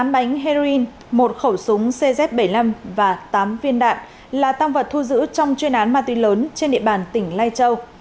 tám bánh heroin một khẩu súng cz bảy mươi năm và tám viên đạn là tăng vật thu giữ trong chuyên án ma túy lớn trên địa bàn tỉnh lai châu